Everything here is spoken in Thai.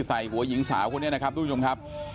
ใส่หัวหญิงสาวนี้ค่ะคุณผู้ชมครับ